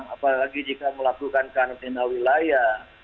apalagi jika melakukan karantina wilayah